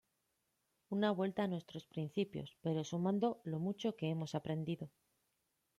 Una vuelta a nuestros principios, pero sumando lo mucho que hemos aprendido".